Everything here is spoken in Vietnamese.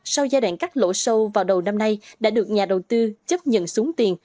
sau giai đoạn cắt lỗ sâu vào đầu năm nay đã được nhà đầu tư chấp nhận xuống tiền